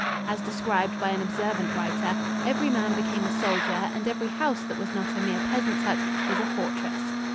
As described by an observant writer, "every man became a soldier and every house that was not a mere peasant's hut was a fortress."